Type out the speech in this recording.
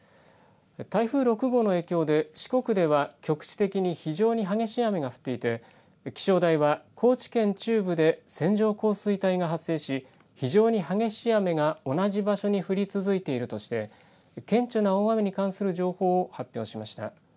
台風６号の影響で四国では局地的に非常に激しい雨が降っていて気象台は高知県中部で線状降水帯が発生し非常に激しい雨が同じ場所に降り続いているとして、顕著な大雨に関する情報を発表しました。